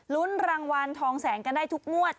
รางวัลทองแสนกันได้ทุกงวด